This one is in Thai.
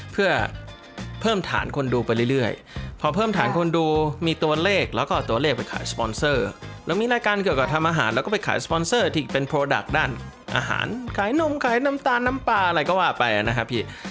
เพื่อเพิ่มฐานคนดูไปเรื่อยพอเพิ่มฐานคนดูมีตัวเลขแล้วก็เอาตัวเลขไปขายสปอนเซอร์เรามีรายการเกี่ยวกับทำอาหารแล้วก็ไปขายสปอนเซอร์ที่เป็นโปรดักต์ด้านอาหารขายนมขายน้ำตาลน้ำปลาอะไรก็ว่าไปนะครับพี่